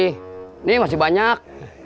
ini masih banyak